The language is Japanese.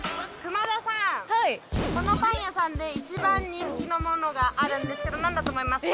このパン屋さんで１番人気のものがあるんですけどなんだと思いますか？